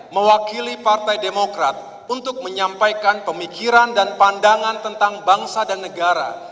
mewakili partai demokrat untuk menyampaikan pemikiran dan pandangan tentang bangsa dan negara